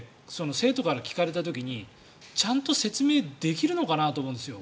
生徒から聞かれた時にちゃんと説明できるのかなと思うんですよ